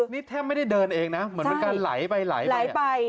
นี่แทบไม่ได้เดินเองนะเหมือนเป็นการไหลไปไหลไป